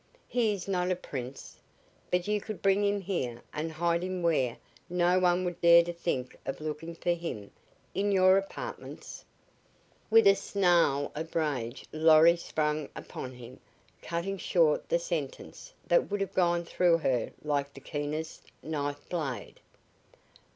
He is not a prince! But you could bring him here and hide him where no one would dare to think of looking for him in your apartments!" With a snarl of rage Lorry sprang upon him, cutting short the sentence that would have gone through her like the keenest knife blade.